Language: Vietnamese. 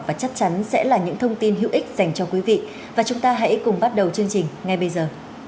và chắc chắn sẽ là những thông tin hữu ích dành cho quý vị và chúng ta hãy cùng bắt đầu chương trình ngay bây giờ